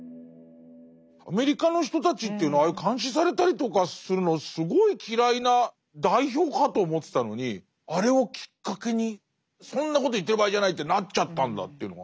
アメリカの人たちというのはああいう監視されたりとかするのすごい嫌いな代表かと思ってたのにあれをきっかけにそんなこと言ってる場合じゃないってなっちゃったんだというのは。